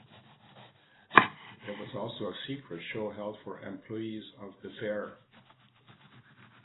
There was also a "secret show" held for employees of the Faire.